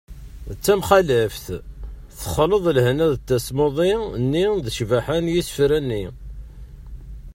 d tamxaleft : texleḍ lehna n tasmuḍi-nni d ccbaḥa n yisefra-nni